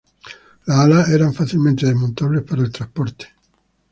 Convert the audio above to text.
Las alas eran fácilmente desmontables para el transporte.